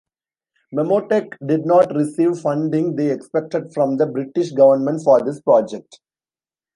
Memotech did not receive funding they expected from the British government for this project.